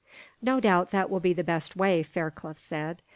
"No doubt that will be the best way," Fairclough said.